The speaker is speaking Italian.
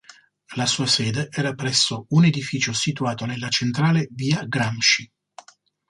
La sua sede era presso un edificio situato nella centrale "via Gramsci".